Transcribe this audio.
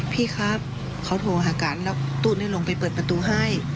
พี่ครับเขาโทรหากันแล้วตูนลงไปเปิดประตูให้